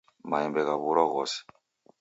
Maembe ghaw'urwa ghose.